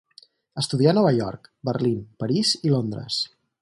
Estudià a Nova York, Berlín, París i Londres.